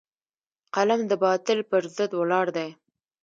قلم د باطل پر ضد ولاړ دی